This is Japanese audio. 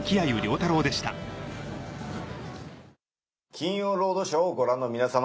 『金曜ロードショー』をご覧の皆様。